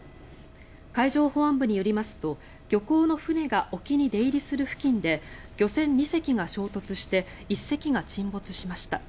海上保安部によりますと漁港の船が沖に出入りする付近で漁船２隻が衝突して１隻が沈没しました。